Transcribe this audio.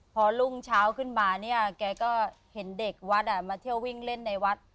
พอรุ่งเช้าขึ้นมาเนี่ยแกก็เห็นเด็กวัดมาเที่ยววิ่งเล่นในวัด